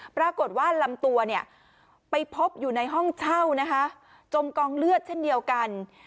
ปรากฏว่าลำตัวเนี่ยไปพบอยู่ในห้องเช่านะคะจมกองเลือดเช่นเดียวกัน